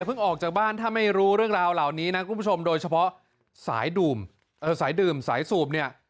ออกจากบ้านถ้าไม่รู้เรื่องราวเหล่านี้นะคุณผู้ชมโดยเฉพาะสายดื่มสายดื่มสายสูบเนี่ย